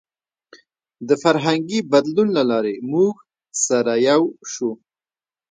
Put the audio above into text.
د فرهنګي بدلون له لارې موږ سره یو شو.